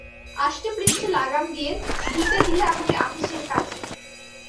আষ্টেপৃষ্ঠে লাগাম দিয়ে জুতে দিলে আমাকে আপিসের কাজে।